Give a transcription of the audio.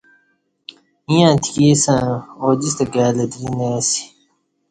ایں اتکی اسسں اوجِستہ کائی لتری اتکی نہ اسی